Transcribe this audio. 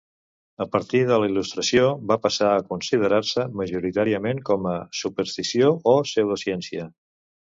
A partir de la Il·lustració va passar a considerar-se majoritàriament com a superstició o pseudociència.